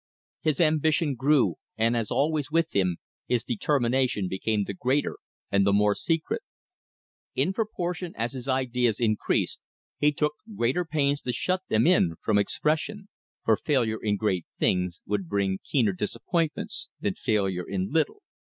His ambition grew; and, as always with him, his determination became the greater and the more secret. In proportion as his ideas increased, he took greater pains to shut them in from expression. For failure in great things would bring keener disappointment than failure in little.